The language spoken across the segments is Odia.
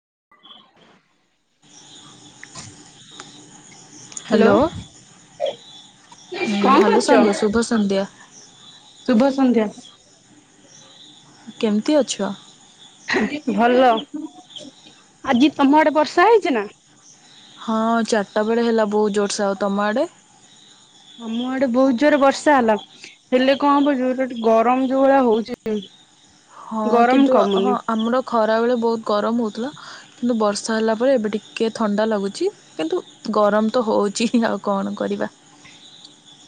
[inaudible] [inaudible] ହ୍ୟାଲୋ। କଣ ହ୍ୟାଲୋ ସାଙ୍ଗ ଶୁଭ କରୁଛ? ସନ୍ଧ୍ୟା ଶୁଭ ସନ୍ଧ୍ୟା। ବ [inaudible] କେମିତି ଅଛ? ଭଲ ।ଆଜି ତମ ଆଡେ ବର୍ଷା ହେଇଛି ନା? ହଁ ଚାରିଟା ବେଳେ ହେଲା ବହୁତ ଜୋରସ ସେ। ଆଉ ତମ ଆଡ଼େ? ଆମ ଆଡେ ବହୁତ ଜୋରରେ ବର୍ଷା ହେଲା ।ହେଲେ କଣ ହବ ଯୋ ଗରମ ଯୋଉ ଭଳିଆ ହଉଛି। ହଁ ଗରମ କିନ୍ତୁ ହଁ କମୁନି। ଆମର ଖରାବେେଳେ ବହୁତ ଗରମ ହେଉଥିଲା କିନ୍ତୁ ବର୍ଷା ହେଲା ପରେ ଏବେ ଟିକଏ ଥଣ୍ଡା ଲାଗୁଛି ।କିନ୍ତୁ ଗରମ ତ ହେଉଛି ଆଉ କଣ କରିବା।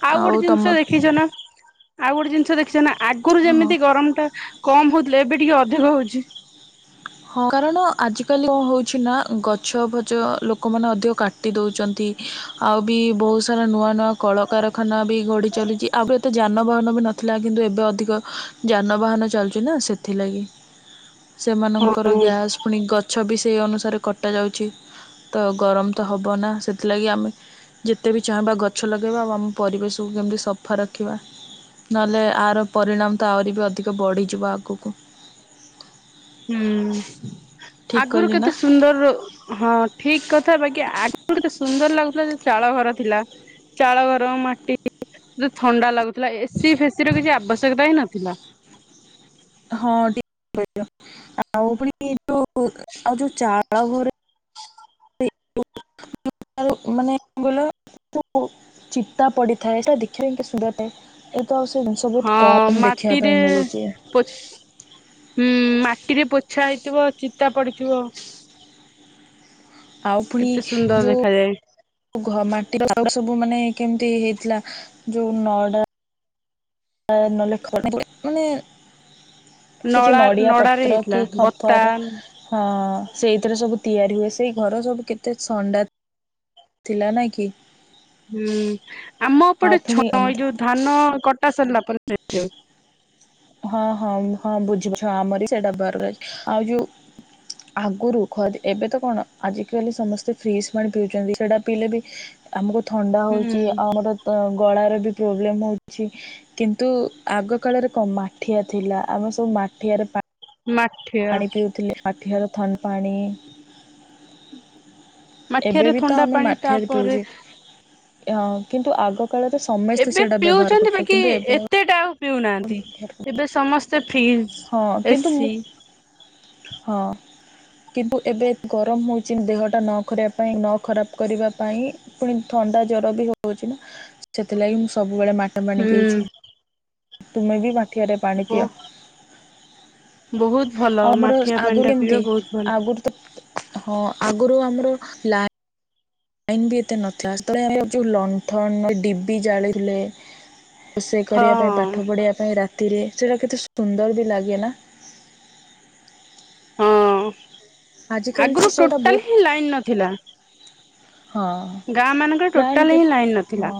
ଆଉ ଗୋଟେ ଜିନିଷ ଦେଖିଛ ନା। ଆଉ ଗୋଟେ ଜିନିଷ ଦେଖିଛ ନା। ଆଗରୁ ହଁ ଯେମିତି ଗରମ ଟା କମ ହଉଥିଲେ ଏବେ ଟିକେ ଅଧିକ ହଉଛି। ହଁ କାରଣ ଆଜିକାଲି କଣ ହେଉଛି ନା ଗଛ ଫଛ ଲୋକମାନେ ଅଧିକ କାଟି ଦେଉଛନ୍ତି, ଆଉ ବି ବହୁତ ସାରା ନୂଆ ନୂଆ କଳକାରଖାନା ବି ଘଡ଼ିି ଚାଲୁଛି, ଆଉ ଏତେ ଯାନବାହାନ ବି ନଥିଲା କିନ୍ତୁ ଏବେ ଅଧିକ ଯାନବାହାନ ଚାଲଛି ନା ସେଥିଲାଗି। ସେମାନେ ର [inaudible] ହଁ ହୁଁ ଗ୍ୟାସ୍ ପୁଣି ଗଛ ବି ସେଇ ଅନୁସାରେ କଟାଯାଉଛି ତ ଗରମ ତ ହବ ନା ସେଥିଲାଗି ଆମେ ଯେତେ ବି ଚାହିଁବା ଗଛ ଲଗାଇବା ଆଉ ଆମ ପରିବେଶକୁ କେମିତି ସଫା ରଖିବା ।ନହେଲେ ଆର ପରିଣାମ ତ ଆହୁରି ବି ଅଧିକ ବଢ଼ିଯିବ ଆଗକୁ। ହୁ [inaudible] ଆଗରୁ କେତେ ସୁନ୍ଦର ।ହଁ ଠିକ କଥା ବାକି ଆଗରୁ ଏତେ ସୁନ୍ଦର ଲାଗୁଥିଲା ଯୋଉ ଚାଳ ଘର ଥିଲା। ଚାଳ ଘର ମାଟିେ [inaudible] ଥଣ୍ଡା ଲାଗୁଥିଲା ଏସି ଫେସି ର କିଛି ଆବଶ୍ୟକତା ହିଁ ନଥିଲା। ହଁିକଛ [inaudible] ଆଉ ପୁଣି ଯୋଉ ଆଉ ଯୋଉ ଚାଳ ଘରେ ମାନେ ଗ ଚିତା ପଡିଥାଏ ସେଇଟ ଦେଖିବା କେ ସୁଧା ଟଏ [inaudible] ହଁ ଦେଖିବା ମାଟିରେ ପାଇଁ ମିଳୁଛି ପୋଛି ହମ୍ ମା ରେ ପୋଛା ହେଇଥିବ ଚିନ୍ତା ପଡ଼ିଥିବ। ଆଉ ପୁଣି ଦେଖାଯାଏ। ଯୋଉ ଘ ମା [inaudible] ସବୁ ମାନେ କେମିତି ହେଇଥିଲା ଯୋଉ ନଡ଼ା ନହେଲେ [inaudible] ମାନେ କିଛି ନଳା ନଡ଼ିଆ ନଡାରେ ପତ୍ର ହେଇଥିଲା କି ବତା ଖପର ହ ସେଇଥିରେ ସବୁ ତିଆରି ହୁଏ ସେଇ ଘର ସବୁ କେତେ ଥଣ୍ଡା ଥିଲା ନା କି? ହୁଁ ଆମ ଆଉ ପଟେ ଛ ପୁଣି ଅନ୍ଧ ଏଇ ଯୋଉ ଧାନ କ ଟାସାରଲା ପରେ [inaudible] ହଁ ହଁ ହଁ ବୁଝିଛୁ ଆମରି ସେଟା [inaudible] ଆଉ ଯୋଉ ଆଗରୁ ଖ ଏବେ ତ କଣ ଆଜିକାଲି ସମସ୍ତେ ଫ୍ରିଜ ପାଣି ପିଉଛନ୍ତି ସେଇଟା ପିଇଲେ ବି ଆମକୁ ଥଣ୍ଡା ହଉଛି ଆଉ ଆମର ଗଳାର ପ୍ରୋବ୍ଲେମ୍ ହେଉଛି କିନ୍ତୁ ଆଗ କଳରେ କମା ମାଠିଆ ଥିଲା ଆମେ ସବୁ ମାଠିଆରେ ପାଣ ମାଠିଆ ପାଣି ପିଉଥିଲେ ମାଠିହାର ଥଣ୍ଡ ପାଣି ଏବେ ମାଠିଆରେ ବି ଥଣ୍ଡା ପାଣି ତାପରେ ଅ କିନ୍ତୁ ଆଗ କାଳରେ ସମସ୍ତେ ଏବେ ସେଇଟା ବ୍ୟବହାର ପିଉଛନ୍ତି କରୁଥିଲେ ବାକି କିନ୍ତୁ ଏବେ ଆଉ ଏତେଟାଉ ପିଉନାହାନ୍ତି ଏବେ ସମ ଫ୍ରିଜ୍ ହଁ କିନ୍ତୁ ମୁଁ ଏସି। ହଁ କିନ୍ତୁ ଏବେ ଗରମ ହଉଛି ଦେହଟା ନ କରିବା ପାଇଁ ନ ଖରାପ କରିବା ପାଇଁ ପୁଣି ଥଣ୍ଡା ଜ୍ଵର ବି ହଉଛି ନା ସେଥିଲାଗି ମୁଁ ସ ବୁବେଳେ ମାଟ ପାଣି ହୁଁ ପିଉଛି। ତୁମେ ବି ବା ଠିଆରେ ପାଣି ବୋ ପିଅ ବହୁତ ଭଲ ଆଉ ଆମର ମାଠିଆ ପାଣି ଟା ଆଗରୁ ପିଇବା ଏମିତି ବହୁତ ଭଲ ଆଗରୁ ତ ହଁ ଆଗରୁ ଆମର ଲା ଲାଇନ୍‌ ବି ଏତେ ନଥିଲା [inaudible] ଯୋଉ ଲଣ୍ଠନ ଡିବି ଜାଳିଲେ ରୋଷେଇ କରିବା ପାଇଁ ହଁ ପାଠ ପଢ଼ିବା ପାଇଁ ରା ତିରେ ସେଟା କେତେ ସୁନ୍ଦର ବି ଲାଗେ ନା। ହଁ। ଆଜିକାଲି ତ ଆଗରୁ ସେଇଟା ବହୁତ ଟୋଟାଲ ହିଁ ଲାଇନ ନଥିଲା। ହଁ ଗାଁ ମାନଙ୍କରେ ଲାଇନ୍‌ ଟୋଟାଲ କେ ହିଁ ଲାଇନ ନଥିଲା ହଁ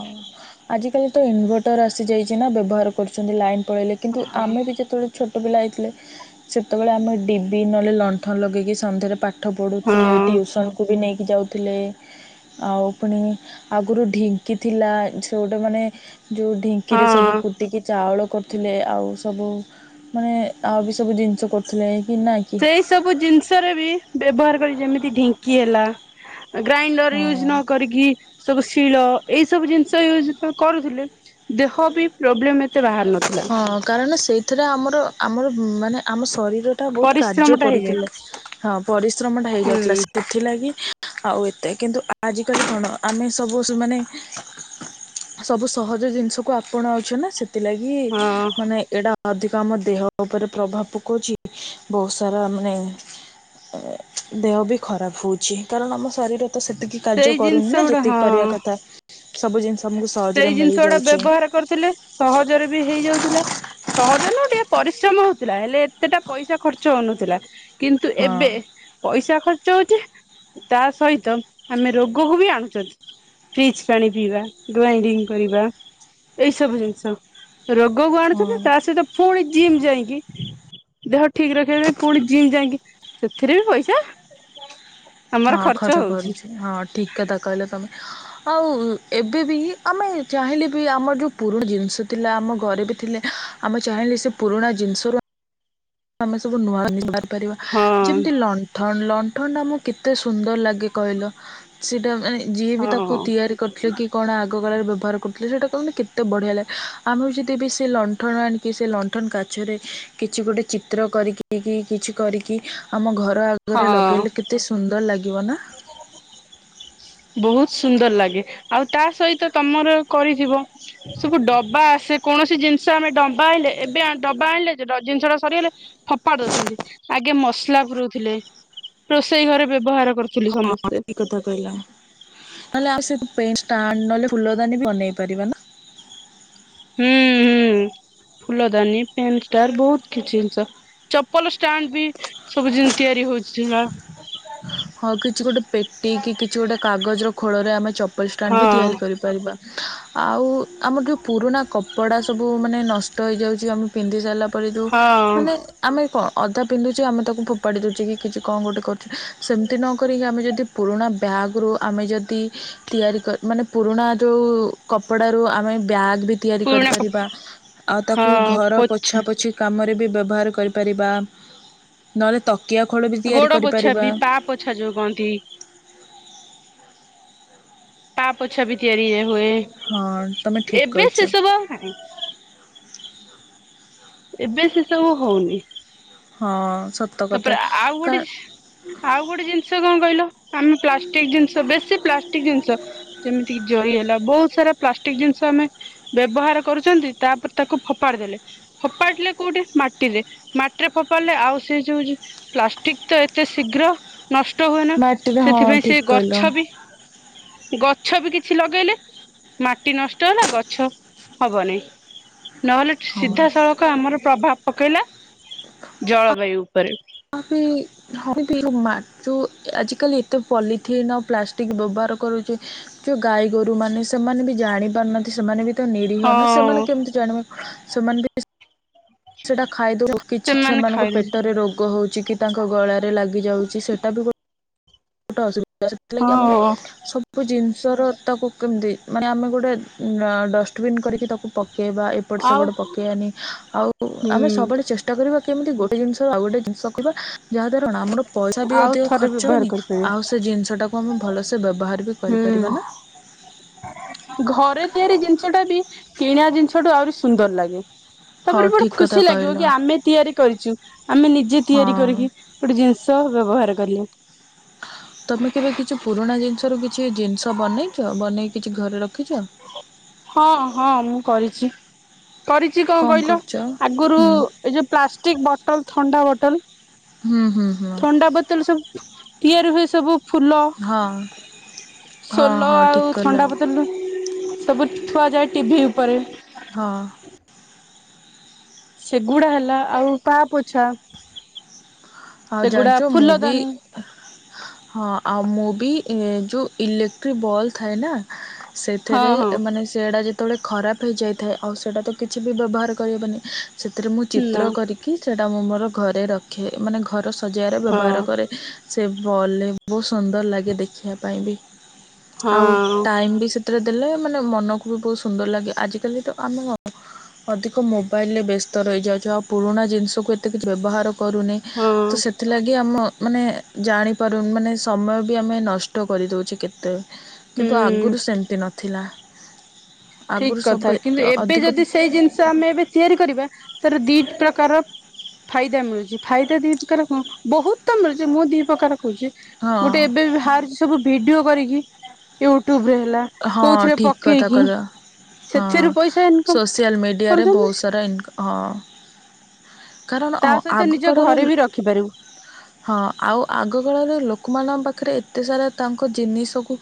ଆଜିିକାଲି ତ ଇନ୍‌ଭଟର୍ ଆସି ଯାଇଛି ନା ବ୍ୟବହାର କରୁଛନ୍ତି ଲାଇନ୍ ପଳେଇଲେ କିନ୍ତୁ ଆମେ ଯେତେବେଳେ ଛୋ ଟ ପିଲା ହୋଇଥିଲେ ସେତେବେଳେ ଆମେ ଡିବି ନହେଲେ ଲଣ୍ଠନ ଲଗେଇକି ସନ୍ଧ୍ୟାରେ ପା ପାଠ ପଢୁଥିଲେ ହଁ ଟିଉସନକୁୁ ବି ନେଇକି ଯାଉ ଥିଲେ। ଆଉ ପୁଣି ଆଗରୁ ଢିଙ୍କି ଥିଲା ସେ ଗୋଟେ ମାନେ। ଯୋଉ ଢିଙ୍କିରେ ସବୁ ହଁ କୁଟିକି ଚାଉଳ କ ଥିଲେ ଆଉ ସବୁ ମାନେ ଆଉ ବି ସବୁ ଜିନିଷ କରୁଥିଲେ। କି ନା କି ସେଇ ସବୁ ଜିନିଷରେ ବି ବ୍ୟବହାର। ଯେମିତି ଢିଙ୍କି ହେଲା। ଗ୍ରାଇଣ୍ଡର ୟୁଜ୍ ହଁ ନ କରିକି ସବୁ ଶିଳ। ଏଇ ସବୁ ଜିନିଷ ୟୁଜ କ-କରୁଥିଲେ ଦେହ ବି ପ୍ରୋବ୍ଲେମ ଏ ହଁ କାରଣ ସେଇଥିରେ ଆମର। ଆମର ମାନେ ଆମ ଶରୀ ଟା ବହୁତ କାର୍ଯ୍ୟ ପରିଶ୍ରମ ଟା ହେଇଯାଏ କରୁଥିଲେ ହଁ ପରିଶ୍ରମ ଟା ହୁଁ ହେଇଯାଉଥିଲା ସେଥିଲାଗି। ଆଉ ଏତେ କିନ୍ତୁ ଆଜିିକାଲି କଣ ଆମେ ସବୁ ମାନେ ସବୁ ସହଜ ଜିନିଷକୁ ଆପଣାଉଛେ ନା ସେ ଥିଲାଗି ହଁ ମାନେ ଏଟା ଅଧିକ ଆମ ଦେହ ଉପରେ ପ୍ରଭାବ ପକଉଛି ବହୁତ ସାରା ମାନେ ଦେହ ବି ଖରାପ ହଉଛି କାରଣ ଆମ ଶରୀର ତ ସେତିକି କାର୍ଯ୍ୟ ସେଇ କରୁନି ନା ଜିନିଷ ଗୁଡା ଯେତିକି କରିବା ହଁ କଥା। ସବୁ ଜିନିଷ ଆମକୁ ସହଜରେ ସେଇ ଜିନିଷ ଗୁଡା ମିଳିଯାଉଛି ବ୍ୟବହାର କରୁଥିଲେ ସହଜରେ ବି ହେଇଯାଉଥିଲା ସହଜ ନୁହ ଟିକେ ପରିଶ୍ରମ ହଉଥିଲା ହେଲେ ଏତେଟା ପଇସା ଖର୍ଚ୍ଚ ହଉନଥିଲା। କିନ୍ତୁ ହଁ ଏବେ ପଇସା ଖ ଖର୍ଚ୍ଚ ହଉଛି ତା ସହିତ ଆମେ ରୋଗକୁ ବି ଆଣୁଛନ୍ତି ଫ୍ରିଜ ପାଣି ପିଇବା ଗ୍ରାଇଣ୍ଡିଙ୍ଗ କରିବା ଏଇ ସବୁ ଜିନିଷ। ରୋଗକୁ ଆଣୁଛନ୍ତି ହଁ। ତା ସହିତ ଫୁଣି ଜିମ୍ ଯାଇକି ଦେହ ଠିକ ରଖିବା ପାଇଁ ପୁଣି ଜିମ୍ ଯାଇକି ସେଥିରେ ବି ପଇସା ଆମର ହଁ ଖର୍ଚ୍ଚ ହଉଛି କରୁଛି ହଁ ଠିକ କଥା କହିଲ ତମେ ଆଉ ଏବେ ବି ଆମେ ଚାହିଁଲେ ବି ଆମର ଯେଉଁ ପୁରୁଣା ଜିନିଷ ଥିଲା ଆମ ଘରେ ବି ଥିଲେ ଆମେ ଚାହିଁଲେ ସେ ପୁରୁଣା ଜିନିଷରୁ ଆମେ ସବୁ ନୁଆ। [unintelligible] ପାରିବା ହଁ ଯେମତି ଲଣ୍ଠନ ଲ ଲଣ୍ଠନ ଟା ଆମକୁ କେତେ ସୁନ୍ଦର ଲାଗେ କହିଲ ସେଇଟା ମା ଯିଏ ବି ତାକୁ ହଁ। ତିଆରି କରିଥିଲେ କି କଣ ଆ ଆଗ କାଳ ରେ ବ୍ୟବହାର କରୁଥିଲେ ସେଟା କୁ ଆମେ କେତେ ବଢିଆ ଲାଗେ ଆମେ ଯଦି ବି ସେ ଲଣ୍ଠନ ଆଣିକି ସେ ଲଣ୍ଠନ କାଚରେ କିଛି ଗୋଟେ ଚିତ୍ର କରିକି କି କିଛି କରିକି ଆମ ଘ ଆଗରେ ହଁ ଲଗେଇଲେ କେତେ ସୁନ୍ଦର ଲା ବନା। ବହୁତ ସୁନ୍ଦର ଲାଗେ। ଆଉ ତା ସହିତ ତମର କରିଥିବ ସବୁ ଡବା ଆସେ କୌଣସି ଜିନିଷ ଆମେ ଡବା ଆଣିଲେ। ଏବେ ଡବା ଆଣିଲେ ଜିନିଷ ଟା ସରିଗଲେ ଫୋପାଡ଼ି ଦଉଛନ୍ତି। ଆଗେ ମସଲା ପୁୁରଉଥିଲେ ରୋଷେଇ ଘରେ ବ୍ୟବହାର କରୁଥିଲେ ହଁ ସମସ୍ତେ ଠିକ୍ କଥା କହିଲ। ହେଲେ ଆଉ ସେ ପେନ୍ ଷ୍ଟାଣ୍ଡ ନହେଲେ ଫୁଲଦାନୀ ବନେଇ ପାରିବା ନା। ହୁଁ ହୁଁ ଫୁଲଦାନୀ ପେନ୍ ଷ୍ଟାର୍ ବହୁତ କିଛି ଜିନିଷ ଚପଲ ଷ୍ଟାଣ୍ଡ ବି ସବୁ ଜିମିତି ତିଆରି ହଉ [unintelligible] ହଁ କିଛି ଗୋଟେ ପେଟି କି କିଛି ଗୋଟେ କାଗଜ ର ଖୋଳରେ ।ଆମେ ଚପଲ ଷ୍ଟାଣ୍ଡ ବି ତିଆରି କରିପାରିବା। ଆଉ ଆମର ଯେଉଁ ପୁରୁଣା କପଡ଼ା ସବୁ ମାନେ ନଷ୍ଟ ହେଇଯାଉଛି ।ଆମେ ପିନ୍ଧି ସାଇଲା ହଁ [unintelligible] ମାନେ ଆମେ କଣ ଅଧା ପିନ୍ଧୁଚେ ଆମେ ତାକୁ ଫୋପାଡ଼ି ଦେଉଛେ କି କିଛି କଣ ଗୋଟେ କରୁ ସେମିତି ନ କରିକି ଆମେ ଯଦି ପୁରୁଣା ବ୍ୟାଗ୍ ରୁ ଆମେ ଯଦି ତିଆରି କ ମାନେ ପୁରୁଣା ଯେଉଁ କପଡ଼ାରୁ ଆମେ ବ୍ୟାଗ୍ ବି ତିଆରି ପୁରୁଣା କ କରିପାରିବା। ଆଉ ତାକୁ ଘର ପୋଛା ପୋଛି କାମରେ ବି ବ୍ୟବହାର କରିପାରିବା ନହେଲେ ତ କିିଆ ଖୋଳ ବି ତିଆରି କରିପାରିବା। ଛା ଯୋଉ କହନ୍ତି। ପାପୋଛା ବି ତିଆରି ଇଏ। ହୁଏ ହଁ ତମେ ଠିକ୍ ଏବେ କହିଛ ସେସବୁ ଆଉ ନାହିଁ। ଏବେ ସେ ସବୁ ହଉନି। ହଁ। ସତ କଥା ତାପରେ ଆଉ କା ଗୋଟେ ଆଉ ଗୋଟେ ଜିନିଷ କଣ କହିଲ ଆମେ ପ୍ଲାଷ୍ଟିକ ଜିନିଷ ବେଶୀ ପ୍ଲାଷ୍ଟିକ ଜିନିଷ ଯେମତି କି ଜରି ହେଲା। ବହୁତ ସାରା ପ୍ଲାଷ୍ଟିକ ଜିନିଷ ଆମେ ବ୍ୟବହାର କରୁଚନ୍ତି ତାପରେ ତାକୁ ଫୋପାଡି ଦେଲେ ଫୋପାଡିଲେ କୋଉଠି ମାଟିରେ ମାଟିରେ ଫୋପାଡେଲେ ଆଉ ସେ ଯୋଉ ଯୋ ପ୍ଲାଷ୍ଟିକ ତ ଏତେ ଶୀଘ୍ର ନଷ୍ଟ ହୁଏ ନା ମାଟିରେ ହଁ ସେଥିପାଇଁ ସେ ଠିକ୍ କହିଲ ଗଛ ବି ଗଛ ବି କିଛି ଲଗେଇଲେ ମାଟି ନଷ୍ଟ ହେଲା ଗଛ ହବନେଇଁ। ନହେଲେ ହଁ ସିଧାସଳଖ ଆମର ପ୍ରଭାବ ପକେଇଲା। ଜଳ ବାୟୁ ଉପରେ। [unintelligible] ଆଜିକାଲି ଏତେ ପଲିଥିନ୍ ଆଉ ପ୍ଲାଷ୍ଟିକ ବ୍ୟବହାର କରୁଛେ। ଯେଉ ଗାଈ ଗୋରୁ ମାନେ ସେମାନେ ବି ଜାଣି ପାରୁନାହାନ୍ତି ସେମାନେ ବି ନିରୀହ ନା ହଁ ସେମାନେ କେମିତି ଜାଣିବେ? ସେମାନେ ବି ସେଟା ଖାଇଦଉ କିଛି ସେମାନେ ସେମାନଙ୍କ ଖାଇଲେ ପେଟରେ ରୋଗ ହେଉଛି କି ତାଙ୍କ ଗଳାରେ ଲାଗିଯାଉଛି ସେଇଟା ବି ଗୋ ଟ ଗୋଟେ ଅସୁ ସେଥିଲାଗି ଆମେ ହଁ ସବୁ ଜିନ ଷର ତାକୁ କେମିତି ମାନେ ଆମେ ଗୋଟେ ଅ ଡଷ୍ଟବିନ୍ କରିକି ତାକୁ ପ କେବା ଏପଟ ଆଉ ସେପଟ ପକେଇବାନି ଆଉ ଆମେ ହୁଁ ସବୁବେଳେ ଚେଷ୍ଟା କରିବା କେମିତି ଗୋଟେ ଜିନିଷ ଆଉ ଗୋଟେ ଜିନିଷ କହିବା ଯାହା ଦ୍ୱାରା ନା ଆମର ପଇସା ବି ଆଉ ଅଧିକ ଥରେ ଖର୍ଚ୍ଚ ବ୍ୟବହାର ହେଉନି କରିପାରିବେ। ଆଉ ସେ ଜିନିଷ ଟାକୁ ଆମେ ଭଲସ ବ୍ୟବହାର ବି କରିପାରିବା ହୁଁ। ନା ଘରେ ତିଆରି ଜିନିଷ ଟା ବି କିଣା ଜିନିଷଠୁ ଆହୁରି ସୁନ୍ଦର ଲାଗେ। ହଉ ତାପରେ ଗୋଟେ ଠିକ୍ କଥା ଖୁସି ଲାଗିବ କହିଲ କି ଆମେ ତିଆରି କରିଚୁ। ଆମେ ନିଜେ ତିଆରି ହଁ କରିକି ଗୋଟେ ଜିନିଷ ବ୍ୟବହାର କଲି ତମେ କେବେ କିଛି ପୁରୁଣା ଜିନିଷରୁ କିଛି ଜିନିଷ ବନେଇଚ? ବନେଇ କିଛି ଘରେ ରଖିଚ? ହଁ ହଁ ମୁଁ କରିଚି। କରିଚି କଣ କଇଲ ଆଗରୁ ହୁଁ ଏ ଯୋଉ ପ୍ଲାଷ୍ଟିକ ବୋଟଲ ଥଣ୍ଡା ବୋଟଲ ହୁଁ ହୁଁ ହୁଁ ଥଣ୍ଡା ବୋତଲ ସବୁ ତିଆରି ହୁଏ ସବୁ ଫୁଲ ହଁ ହଁ ସୋଲ ହଁ ଠିକ୍ ଆଉ କଲା ଥଣ୍ଡାପତ୍ର ଥୁଆଯାଏ ଟିଭି ଉପରେ ହଁ ସେଗୁଡା ହେଲା ଆଉ ପା ପୋଛା। ଆଉ ସେଗୁଡା ଜାଣିଛୁ ମୁଁ ଫୁଲ ବି ଦାନୀ। ହଁ ଆଉ ମୁଁ ବି ଯୋଉ ଇଲେକ୍ଟ୍ରିକ ବଲ୍ବ ଥାଏ ନା ହଁ ସେଥିରେ ହଁ ମାନେ ସେଡା ଯେ କେତେବେଳେ ଖରାପ ହେଇଯାଇଥାଏ ଆଉ ସେଇଟା ତ କିଛି ବି ବ୍ୟବହାର କରିହବନି ସେଥିରେ ମୁଁ ନା ଚିତ୍ର କରିକି ସେଇଟା ମୁଁ ମୋର ଘରେ ରଖେ ମାନେ ଘର ସଜେଇାର ହଁ ବ୍ୟବହାର କରେ ସେ ବଲେ ବହୁତ ସୁନ୍ଦର ଲାଗେ ଦେଖିବା ପାଇଁ ବି ଆଉ ହଁ ଟାଇମ ବି ସେଥିରେ ଦେଲେ ମାନେ ମନକୁ ବି ବହୁତ ସୁନ୍ଦର ଲାଗେ ଆଜିକାଲି ତ ଆମେ ଅଧିକ ମୋବାଇଲରେ ବ୍ୟସ୍ତ ରହିଯାଉଛୁ ଆଉ ପୁରୁଣା ଜିନିଷକୁ ଏତେ କିଛି ବ୍ୟବହାର କରୁନେ ହଁ ତ ସେଥିଲାଗି ଆମ ମାନେ ଜାଣିପାରୁନି ମାନେ ସମୟ ବି ଆମେ ନଷ୍ଟ କରିଦେଉଛେ କେତେ ହୁଁ କିନ୍ତୁ ଆଗରୁ ସେମତି ନଥିଲା ଠିକ ଆଗରୁ ସବୁ କଥା କିନ୍ତୁ ଏବେ ଅଧିକ ଯଦି ସେଇ ଜିନିଷ ଆମେ ଏବେ ତିଆରି କରିବା ତାର ଦି ପ୍ରକାର ଫାଇଦା ମିଳୁଛି ଫାଇଦା ଦି ପ୍ରକାର କଣ ବହୁତ ତ ମିଳୁଛି ମୁଁ ଦି ପ୍ରକାର କ ଛି ହଁ ଗୋଟେ ଏବେ ବି ବାହାରଛି ସବୁ ଭିଡିଓ କରିକି ୟୁ ଟ୍ୟୁବରେ ହେଲା ହଁ କଉଥିରେ ଠିକ୍ କଥା ପକେଇକି କହିଲ । ହଁ ସୋସିଆଲ ମିଡିଆରେ କରୁଛନ୍ତି ବହୁତ ସାରା ଇନକ ହଁ । କାରଣ ହଁ ତା ଅ ସହିତ ନିଜ ଆଗକାଳର ଘରେ ଲୋ ବି ରଖିପାରିବୁ ହଁ ଆଉ ଆଗକାଳର ଲୋ ଲୋକମାନଙ୍କ ପାଖରେ ଏତେ ସାରା ତାଙ୍କ ଜିନିଷକୁ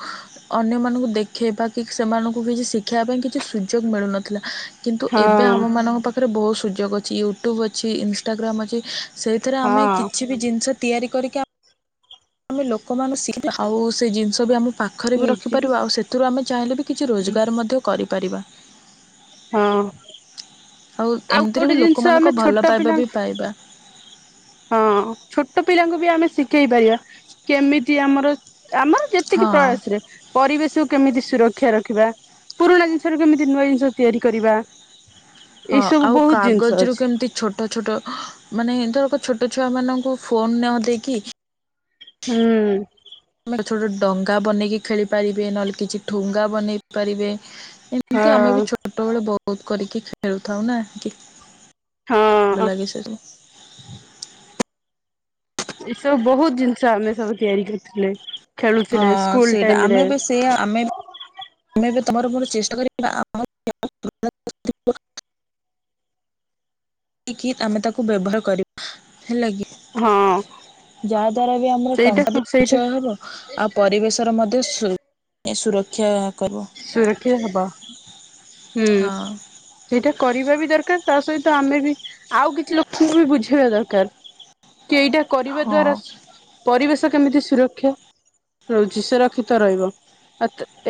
ଅନ୍ୟମାନଙ୍କୁ ଦେ----। ସିଖେଇବା ସେମାନଙ୍କୁ କିଛି ସିଖେଇବା ପାଇଁ ସୁଯୋଗ କିଛି ମିଳୁନଥିଲା । କିନ୍ତୁ ଏବେ ହଁ ଆମମାନଙ୍କ ପାଖରେ ବହୁତ ସୁଯୋଗ ଅଛି ୟୁଟ୍ୟୁବ୍ ଅଛି ଇନଷ୍ଟାଗ୍ରାମ୍ ଅଛି। ସେଇଥିରେ ଆମେ ହଁ କିଛି ବି ଜିନିଷ ତିଆରି । କରିକ । ଆମେ ଲୋକମାନେ ଶିଖ ଆଉ ସେ ଜିନିଷ ବି ଆମକୁ । ପାଖରେ ବି ରଖିପାରିବା ଆଉ ସେଥିରୁ ଆମେ ଚାହିଁଲେ ବି କିଛି ରୋଜଗାର ମଧ୍ୟ କରିପାରିବା। ହଁ। ଆଉ ଏମିତିରେ ଗୋଟେ ବି ଜିନିଷ ଆମେ ଲୋକମାନଙ୍କ ଛୋଟ ଭଲ ପାଇବା ବି ପିଲାଙ୍କୁ ପାଇବା। ହଁ ଛୋଟ ପିଲାଙ୍କୁ ବି ଆମେ ଶିଖେଇ ପାରିବା କେମିତି ଆମର ଆମର ଯେତିକି ହଁ। ପ୍ରୟାସରେ ପରିବେଶକୁ କେମିତି ସୁରକ୍ଷା ର ରଖିବା ପୁରୁଣା ଜିନିଷ କେମିତି ନୂଆ ଜିନିଷ ତିଆରି କରିବା । ହଁ ଆଉ କାଗଜରୁୁ କେମତି ଛୋଟ ଛୋଟ ମାନେ ଦ ଛୋଟ । ଛୋଟ ଛୁଆମାନଙ୍କୁ ଫୋନ ନ ଦେଇକି ହୁଁ । ଛୋଟ ଛୋଟ ଡଙ୍ଗା ବନେଇକି ଖେଳି ପାରିବେ ନହେଲେ କିଛି ଠୁଙ୍ଗା ବନେଇ ପାରିବେ। ହଁ ଏମିତି ଆମେ ବି ଛୋଟବେଳେ ବହୁତ ବହୁତ କରିକି ଖେଳୁଥାଉ ନା। ଭଲ ହଁ ଲାଗି ସେ ଯେ। [unintelligible] ଏସବୁ ବହୁତ୍ ଜିନିଷ ଆମେ ସବୁ ତିଆରି କରିଥିଲେ ଖେଳୁଥିଲେ ହଁ ସ୍କୁଲ ସେଇଟା ଟାଇମରେ। ତମେ ଏ ତମର ଚେଷ୍ଟା କରିବାମ ଆମର [unintelligible] ଏହିକି ଆମେ ତାକୁ ବ୍ୟବହାର କରି ହେଲା କି ହଁ ଯାହାଦ୍ୱାରା ବି ଆମର ସେଇଟା ଟଙ୍ଗା ସେଇଟା ଞ୍ଚୟ ହେବ ଆଉ ପରିବେଶର ମଧ୍ୟ ସୁ ଏ ସୁରକ୍ଷା କରିବ। ସୁରକ୍ଷା ହବା ହୁଁ ହଁ। ସେଇଟା କରିବା ବି ଦରକାର। ତା ସହିତ ଆମେ ବି ଆଉ କିଛି ଲୋକଙ୍କୁ ବି ବୁଝେଇବା ଦରକାର। କ କି ଏଇଟା କରିବା ହଁ ଦ୍ଵାରା ପରିବେଶ କେମିତି ସୁରକ୍ଷା ରହୁଛି ସୁରକ୍ଷିତ ରହିବ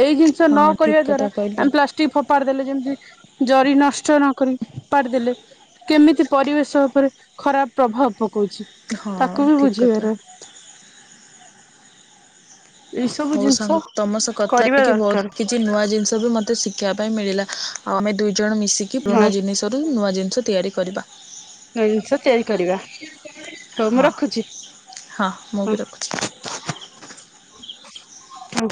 ଏଇ ହଁ ନ ଠିକ କରିବା କଥା ଦ୍ଵାରା କହିଲ। ଆମେ ପ୍ଲାଷ୍ଟିକ ଫୋପାଡ଼ି ଦେଲେ ଯେମିତି ଜରି ନଷ୍ଟ ନ କରି ଫୋପାଡ଼ି ଦେଲେ। କେମିତି ପରିବେଶ ଉପରେ ଖରାପ ପ୍ରଭାବ ପକଉଛି। ହଁ ତାକୁ ବି ଠିକ୍ କଥା। ବୁଝିବାର ଏଇ ସବୁ ହଉ ଜିନିଷ ସାଙ୍ଗ ତମ ସହ କଥା କରିବା ହେଇକି ଦରକାର ବହୁତ କିଛି ନୂଆ ଜିନିଷ ବି ମତେ ଶିଖିବା ମିଳିଲା ଆଉ ଆମେ ଦୁଇ ଜଣ ମିଶିକି ହଁ। ପୁରୁଣା ଜିନିଷରୁ ନୂଆ ଜିନିଷ ତିଆରି କରିବା। ନୂଆ ଜିନିଷ ତିଆରି କରିବା। ହଉ ମୁଁ ହଁ ରଖୁଛି ହଁ ମୁଁ ବି ରଖୁଛି ହଁ